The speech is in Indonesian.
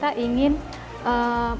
membuat bisnis yang berbeda dan berbeda